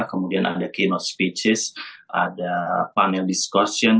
kemudian ada keynote speeches ada panel discussion